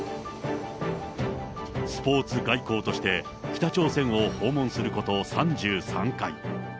スポーツ外交として、北朝鮮を訪問すること３３回。